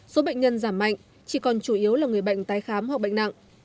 số bệnh nhân giảm mạnh chỉ còn chủ yếu là người bệnh tái khám hoặc bệnh nặng